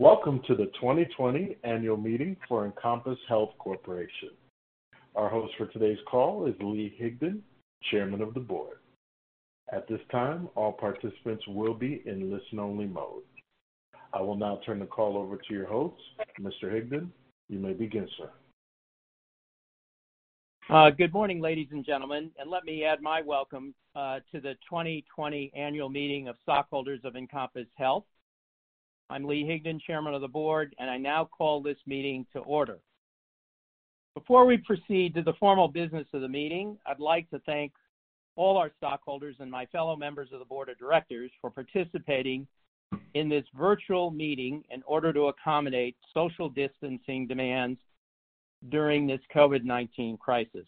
Welcome to the 2020 Annual Meeting for Encompass Health Corporation. Our host for today's call is Lee Higdon, Chairman of the Board. At this time, all participants will be in listen only mode. I will now turn the call over to your host, Mr. Higdon. You may begin, sir. Good morning, ladies and gentlemen. Let me add my welcome to the 2020 Annual Meeting of Stockholders of Encompass Health. I'm Lee Higdon, Chairman of the Board. I now call this meeting to order. Before we proceed to the formal business of the meeting, I'd like to thank all our stockholders and my fellow members of the Board of Directors for participating in this virtual meeting in order to accommodate social distancing demands during this COVID-19 crisis.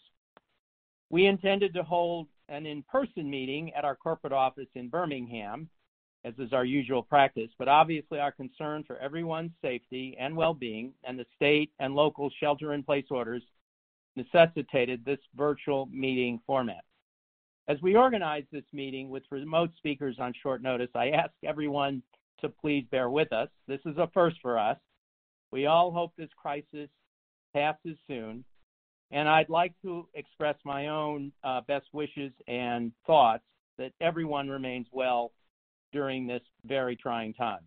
We intended to hold an in-person meeting at our corporate office in Birmingham, as is our usual practice. Obviously our concern for everyone's safety and wellbeing, the state and local shelter in place orders necessitated this virtual meeting format. As we organized this meeting with remote speakers on short notice, I ask everyone to please bear with us. This is a first for us. We all hope this crisis passes soon, and I'd like to express my own best wishes and thoughts that everyone remains well during this very trying time.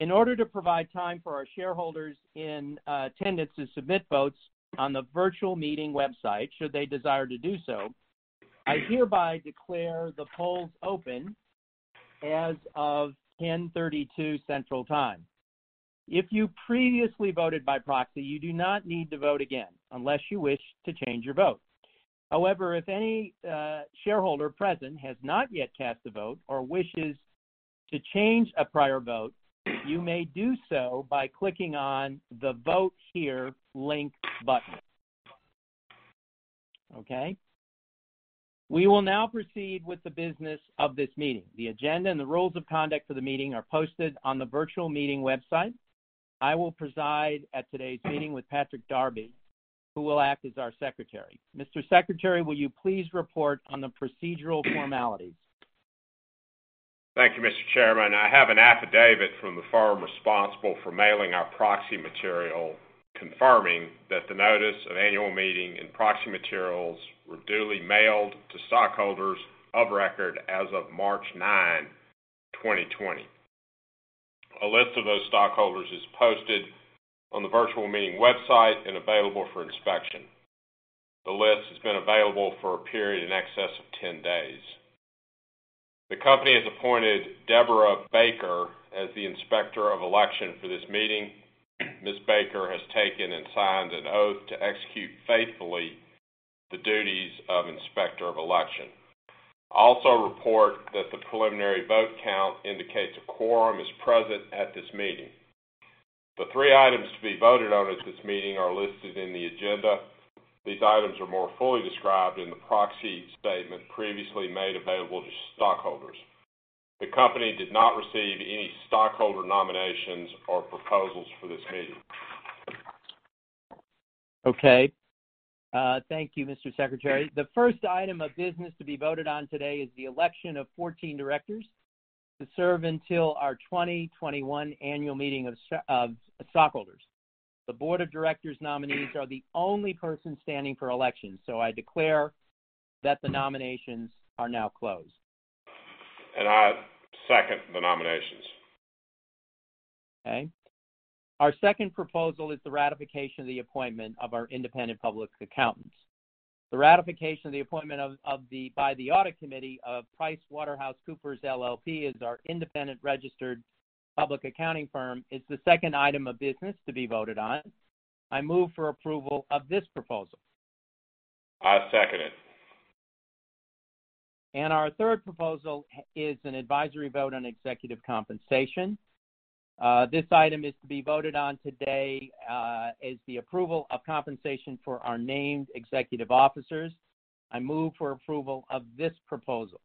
In order to provide time for our shareholders in attendance to submit votes on the virtual meeting website, should they desire to do so, I hereby declare the polls open as of 10:32 A.M. Central Time. If you previously voted by proxy, you do not need to vote again unless you wish to change your vote. However, if any shareholder present has not yet cast a vote or wishes to change a prior vote, you may do so by clicking on the Vote Here link button. Okay. We will now proceed with the business of this meeting. The agenda and the rules of conduct for the meeting are posted on the virtual meeting website. I will preside at today's meeting with Patrick Darby, who will act as our Secretary. Mr. Secretary, will you please report on the procedural formalities? Thank you, Mr. Chairman. I have an affidavit from the firm responsible for mailing our proxy material, confirming that the notice of annual meeting and proxy materials were duly mailed to stockholders of record as of March 9, 2020. A list of those stockholders is posted on the virtual meeting website and available for inspection. The list has been available for a period in excess of 10 days. The company has appointed Deborah Baker as the Inspector of Election for this meeting. Ms. Baker has taken and signed an oath to execute faithfully the duties of Inspector of Election. I also report that the preliminary vote count indicates a quorum is present at this meeting. The three items to be voted on at this meeting are listed in the agenda. These items are more fully described in the proxy statement previously made available to stockholders. The company did not receive any stockholder nominations or proposals for this meeting. Okay. Thank you, Mr. Secretary. The first item of business to be voted on today is the election of 14 Directors to serve until our 2021 annual meeting of stockholders. The Board of Directors' nominees are the only person standing for election, so I declare that the nominations are now closed. I second the nominations. Okay. Our second proposal is the ratification of the appointment of our independent public accountants. The ratification of the appointment by the audit committee of PricewaterhouseCoopers LLP as our independent registered public accounting firm is the second item of business to be voted on. I move for approval of this proposal. I second it. Our third proposal is an advisory vote on executive compensation. This item is to be voted on today as the approval of compensation for our named executive officers. I move for approval of this proposal.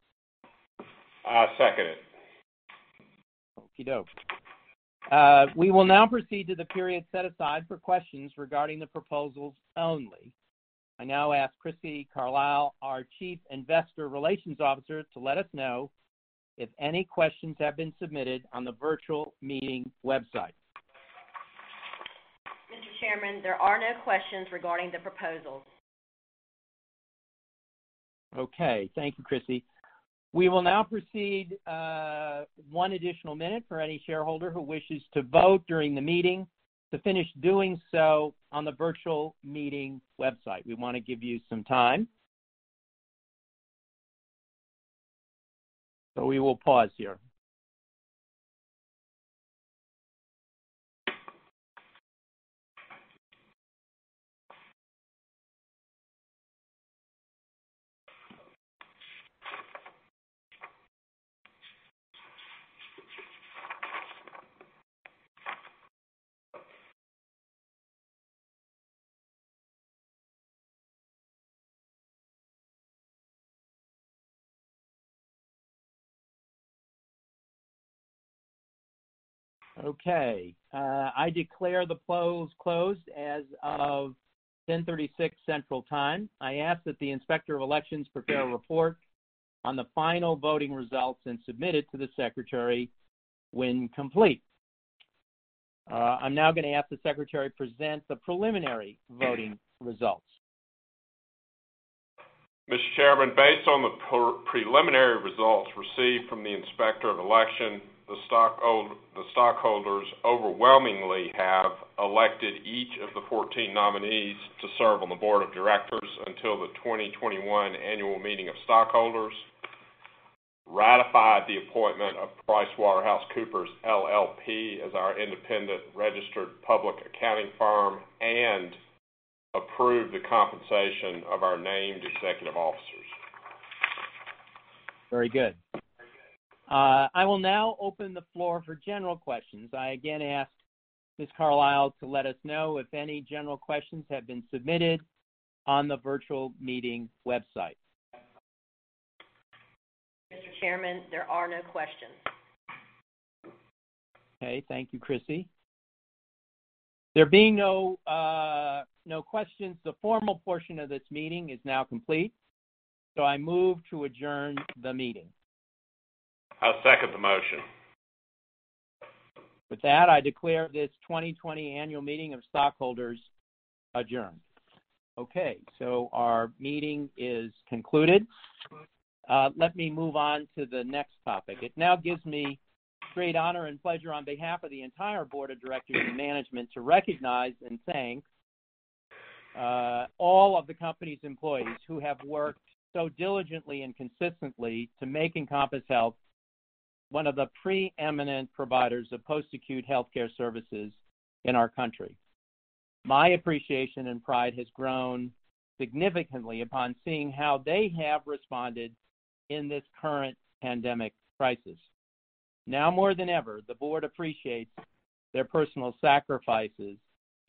I second it. Okey-doke. We will now proceed to the period set aside for questions regarding the proposals only. I now ask Crissy Carlisle, our Chief Investor Relations Officer, to let us know if any questions have been submitted on the virtual meeting website. Mr. Chairman, there are no questions regarding the proposals. Okay. Thank you, Crissy. We will now proceed one additional minute for any shareholder who wishes to vote during the meeting to finish doing so on the virtual meeting website. We want to give you some time. We will pause here. Okay. I declare the polls closed as of 10:36 Central Time. I ask that the Inspector of Election prepare a report on the final voting results and submit it to the Secretary when complete. I'm now going to ask the Secretary to present the preliminary voting results. Mr. Chairman, based on the preliminary results received from the Inspector of Election, the stockholders overwhelmingly have elected each of the 14 nominees to serve on the Board of Directors until the 2021 annual meeting of stockholders, ratified the appointment of PricewaterhouseCoopers LLP as our independent registered public accounting firm, and approved the compensation of our named executive officers. Very good. I will now open the floor for general questions. I again ask Ms. Carlisle to let us know if any general questions have been submitted on the virtual meeting website. Mr. Chairman, there are no questions. Okay. Thank you, Crissy. There being no questions, the formal portion of this meeting is now complete. I move to adjourn the meeting. I'll second the motion. With that, I declare this 2020 Annual Meeting of Stockholders adjourned. Our meeting is concluded. Let me move on to the next topic. It now gives me great honor and pleasure on behalf of the entire Board of Directors and management to recognize and thank all of the company's employees who have worked so diligently and consistently to make Encompass Health one of the preeminent providers of post-acute healthcare services in our country. My appreciation and pride has grown significantly upon seeing how they have responded in this current pandemic crisis. Now more than ever, the Board appreciates their personal sacrifices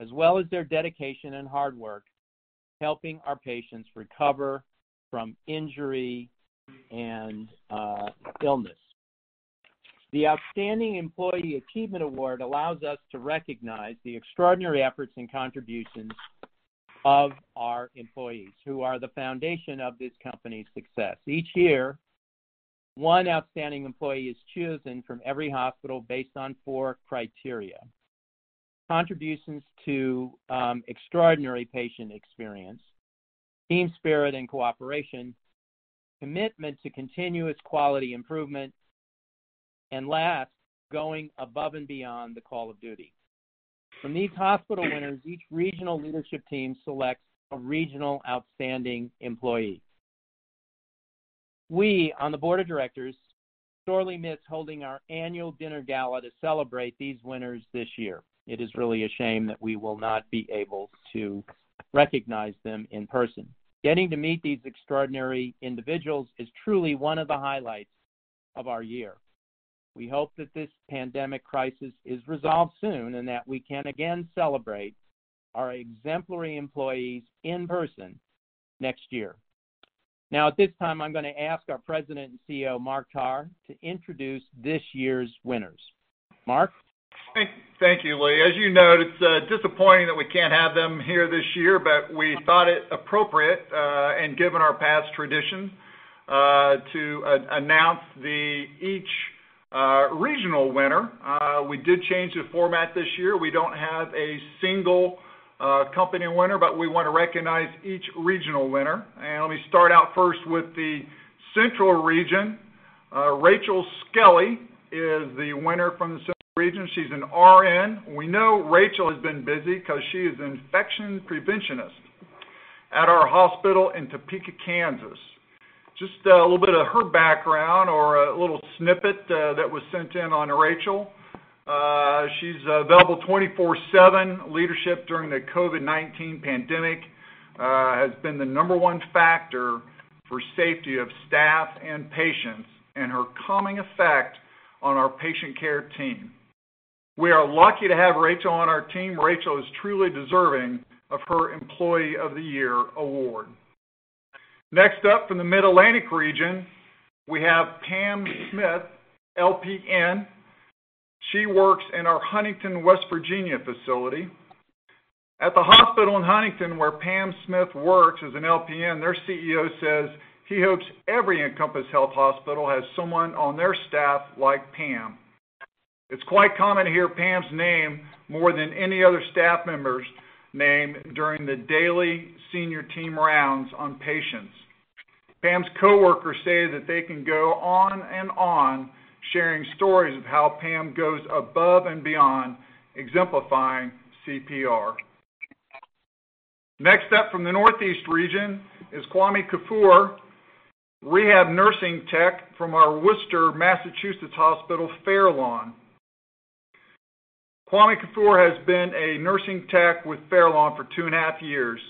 as well as their dedication and hard work helping our patients recover from injury and illness. The Outstanding Employee Achievement Award allows us to recognize the extraordinary efforts and contributions of our employees who are the foundation of this company's success. Each year, one outstanding employee is chosen from every hospital based on four criteria: contributions to extraordinary patient experience, team spirit and cooperation, commitment to continuous quality improvement, and last, going above and beyond the call of duty. From these hospital winners, each regional leadership team selects a regional outstanding employee. We, on the Board of Directors, sorely miss holding our annual dinner gala to celebrate these winners this year. It is really a shame that we will not be able to recognize them in person. Getting to meet these extraordinary individuals is truly one of the highlights of our year. We hope that this pandemic crisis is resolved soon, and that we can again celebrate our exemplary employees in person next year. At this time, I'm going to ask our President and CEO, Mark Tarr, to introduce this year's winners. Mark? Thank you, Lee. As you know, it's disappointing that we can't have them here this year, but we thought it appropriate, and given our past tradition, to announce each regional winner. We did change the format this year. We don't have a single company winner, but we want to recognize each regional winner. Let me start out first with the Central region. Rachel Skelly is the winner from the Central region. She's an RN. We know Rachel has been busy because she is an infection preventionist at our hospital in Topeka, Kansas. Just a little bit of her background or a little snippet that was sent in on Rachel. She's available 24/7. Leadership during the COVID-19 pandemic has been the number one factor for safety of staff and patients and her calming effect on our patient care team. We are lucky to have Rachel on our team. Rachel is truly deserving of her Employee of the Year Award. Next up, from the Mid-Atlantic region, we have Pam Smith, LPN. She works in our Huntington, West Virginia facility. At the hospital in Huntington where Pam Smith works as an LPN, their CEO says he hopes every Encompass Health hospital has someone on their staff like Pam. It's quite common to hear Pam's name more than any other staff member's name during the daily senior team rounds on patients. Pam's coworkers say that they can go on and on sharing stories of how Pam goes above and beyond exemplifying CPR. Next up from the Northeast region is Kwame Kuffour, rehab nursing tech from our Worcester, Massachusetts hospital, Fairlawn. Kwame Kuffour has been a nursing tech with Fairlawn for 2.5 years.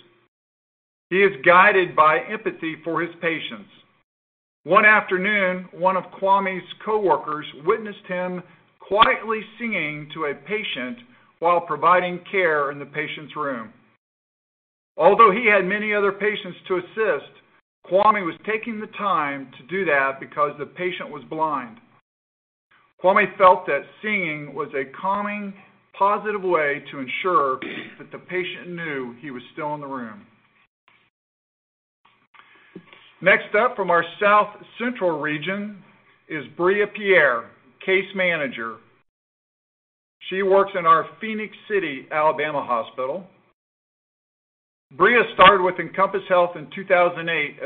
He is guided by empathy for his patients. One afternoon, one of Kwame's coworkers witnessed him quietly singing to a patient while providing care in the patient's room. Although he had many other patients to assist, Kwame was taking the time to do that because the patient was blind. Kwame felt that singing was a calming, positive way to ensure that the patient knew he was still in the room. Next up from our South Central region is Bria Pierre, Case Manager. She works in our Phenix City, Alabama hospital. Bria started with Encompass Health in 2008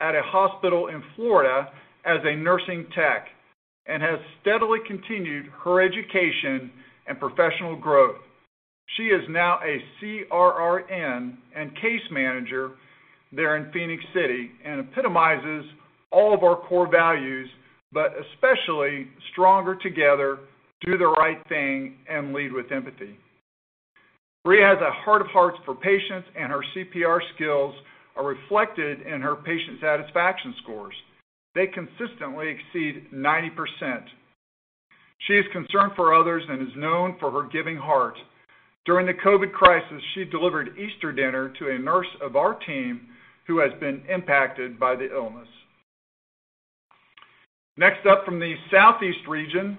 at a hospital in Florida as a nursing tech, and has steadily continued her education and professional growth. She is now a CRRN and Case Manager there in Phenix City, and epitomizes all of our core values, but especially Stronger Together, Do the Right Thing, and Lead with Empathy. Bria has a heart of hearts for patients, and her CPR skills are reflected in her patient satisfaction scores. They consistently exceed 90%. She is concerned for others and is known for her giving heart. During the COVID crisis, she delivered Easter dinner to a nurse of our team who has been impacted by the illness. Next up from the Southeast region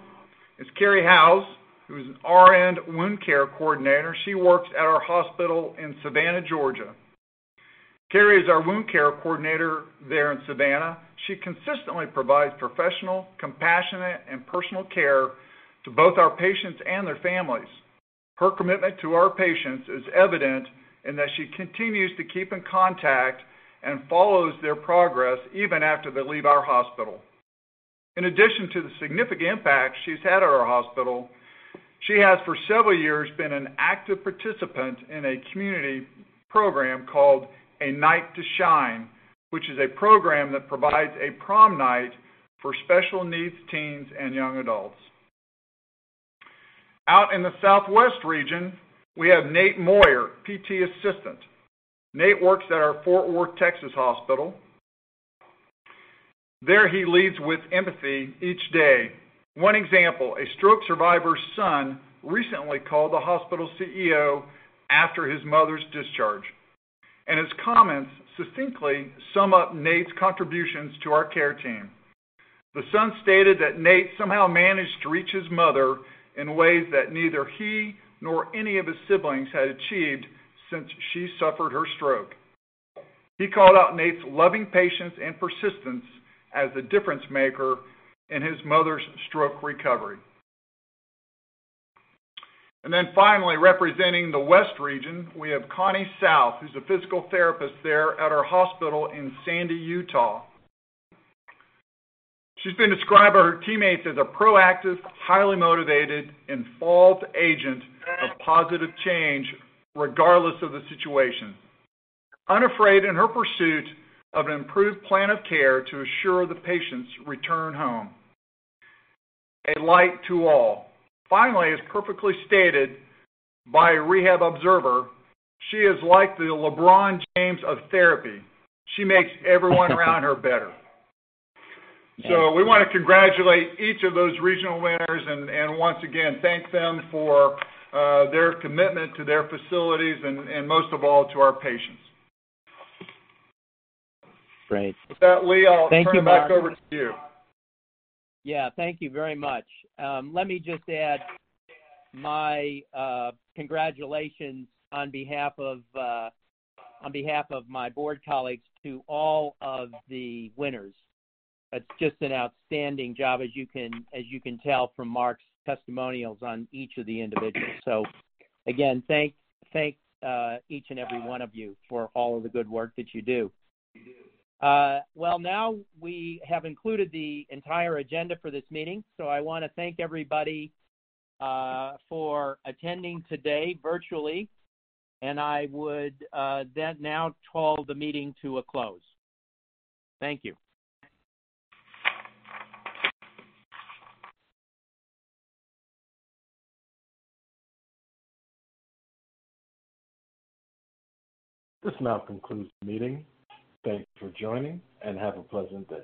is Carrie Howes, who is an RN wound care coordinator. She works at our hospital in Savannah, Georgia. Carrie is our Wound Care Coordinator there in Savannah. She consistently provides professional, compassionate, and personal care to both our patients and their families. Her commitment to our patients is evident in that she continues to keep in contact and follows their progress even after they leave our hospital. In addition to the significant impact she's had at our hospital, she has for several years been an active participant in a community program called A Night to Shine, which is a program that provides a prom night for special needs teens and young adults. Out in the Southwest region, we have Nate Moyer, PT assistant. Nate works at our Fort Worth, Texas hospital. There he leads with empathy each day. One example, a stroke survivor's son recently called the hospital CEO after his mother's discharge, and his comments succinctly sum up Nate's contributions to our care team. The son stated that Nate somehow managed to reach his mother in ways that neither he nor any of his siblings had achieved since she suffered her stroke. He called out Nate's loving patience and persistence as the difference maker in his mother's stroke recovery. Finally, representing the West region, we have Connie South, who's a Physical Therapist there at our hospital in Sandy, Utah. She's been described by her teammates as a proactive, highly motivated, and stalwart agent of positive change regardless of the situation. She is unafraid in her pursuit of an improved plan of care to assure the patients return home. She is a light to all. Finally, as perfectly stated by a rehab observer, she is like the LeBron James of therapy. She makes everyone around her better. We want to congratulate each of those regional winners and once again, thank them for their commitment to their facilities and most of all, to our patients. Great. With that, Lee, I'll turn it back over to you. Yeah. Thank you very much. Let me just add my congratulations on behalf of my Board colleagues to all of the winners. That's just an outstanding job, as you can tell from Mark's testimonials on each of the individuals. Again, thanks each and every one of you for all of the good work that you do. Well, now we have included the entire agenda for this meeting, so I want to thank everybody for attending today virtually, and I would then now call the meeting to a close. Thank you. This now concludes the meeting. Thank you for joining and have a pleasant day.